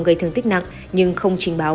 gây thương tích nặng nhưng không trình báo